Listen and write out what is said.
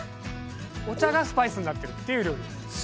お茶がスパイスになっている料理。